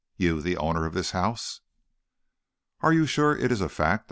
you, the owner of this house!" "Are you sure it is a fact?"